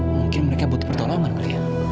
mungkin mereka butuh pertolongan kali ya